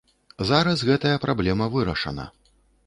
Зараз гэтая праблема вырашана.